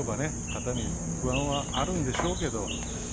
肩に不安はあるんでしょうけどね。